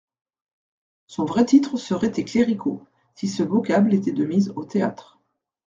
Son vrai titre serait tes Cléricaux, si ce vocable était de mise au théâtre.